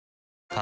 あ